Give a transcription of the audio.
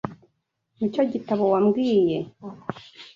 Nicyo gitabo wambwiye?